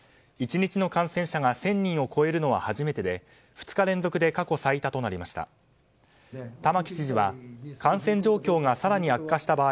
１日の感染者が１０００人を超えるのは初めてで２日連続で過去最多となりました。